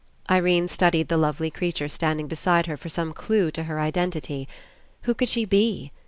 Irene studied the lovely creature stand ing beside her for some clue to her identity. Who could she be?